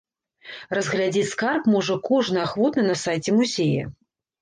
Разглядзець скарб можа кожны ахвотны на сайце музея.